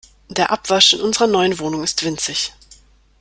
Der Abwasch in unserer neuen Wohnung ist winzig.